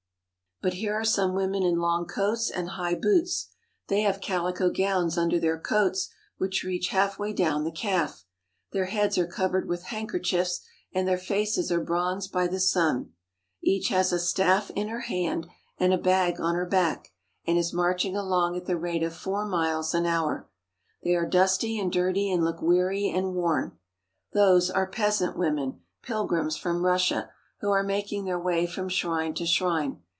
But here are some women in long coats and high boots. They have calico gowns under their coats which reach half way down the calf. Their heads are covered with handkerchiefs, and their faces are bronzed by the sun. Each has a staff in her hand and a bag on her back, and is marching along at the rate of four miles an hour. They are dusty and dirty, and look weary and worn. Those are peasant women, pilgrims from Russia, who are making their way from shrine to shrine.